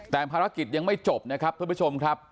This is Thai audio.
แต่ภารกิจยังไม่จบนะครับท่านผู้ชมครับ